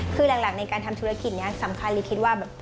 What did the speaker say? คือหลักในการทำธุรกิจนี้สำคัญหรือคิดว่าแบบ